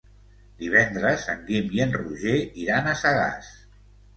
Divendres en Guim i en Roger iran a Sagàs.